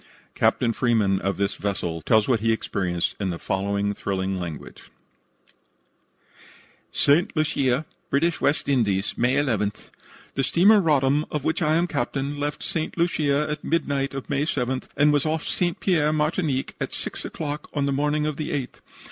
Captain Freeman, of this vessel, tells what he experienced in the following thrilling language: "St. Lucia, British West Indies, May 11. The steamer Roddam, of which I am captain, left St. Lucia at midnight of May 7, and was off St. Pierre, Martinique, at 6 o'clock on the morning of the 8th.